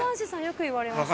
よく言われます。